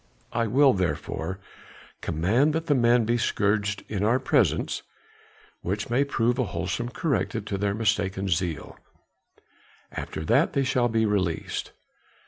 I will therefore command that the men be scourged in our presence, which may prove a wholesome corrective to their mistaken zeal; after that they shall be released."